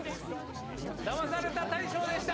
ダマされた大賞でした！